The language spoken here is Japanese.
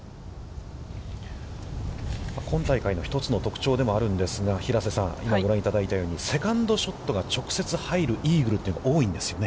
今大会の一つの特徴でもあるんですが平瀬さん、今ご覧いただいたように、セカンドショットが直接入るイーグルというのが多いんですよね。